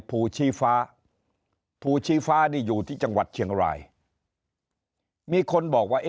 ภูชีฟ้าที่อยู่ที่จังหวัดเฉียงไรคิงมีคนบอกว่าเอ